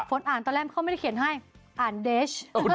ฝนอ่านตอนแรกเขาไม่ได้เขียนให้อ่านเดช